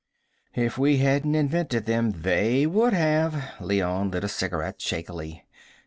"If we hadn't invented them, they would have." Leone lit a cigarette shakily.